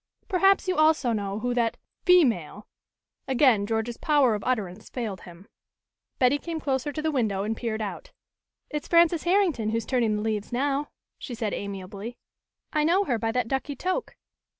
"Perhaps you also know who that female " again George's power of utterance failed him. Betty came closer to the window and peered out. "It's Frances Herrington who is turning the leaves now," she said amiably. "I know her by that ducky toque."